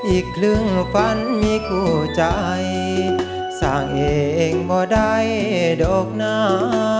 อีกครึ่งฝันมีคู่ใจสร้างเองบ่ได้ดอกหนา